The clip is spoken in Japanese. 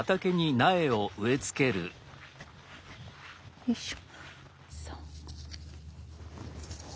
よいしょ。